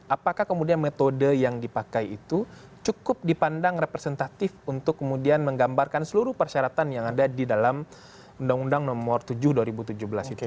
apakah kemudian metode yang dipakai itu cukup dipandang representatif untuk kemudian menggambarkan seluruh persyaratan yang ada di dalam undang undang nomor tujuh dua ribu tujuh belas itu